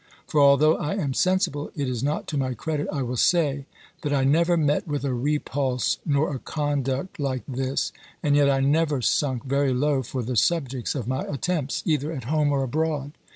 For, although I am sensible it is not to my credit, I will say, that I never met with a repulse, nor a conduct like this; and yet I never sunk very low for the subjects of my attempts, either at home or abroad.